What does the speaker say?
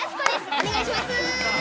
お願いしますぅ。